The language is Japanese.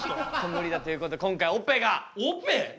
無理だということで今回オペが。